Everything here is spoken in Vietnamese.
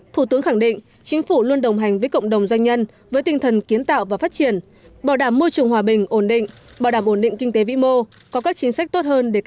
thủ tướng khẳng định chính phủ luôn đồng hành với cộng đồng doanh nhân với tinh thần kiến tạo và phát triển bảo đảm môi trường hòa bình ổn định bảo đảm ổn định kinh tế vĩ mô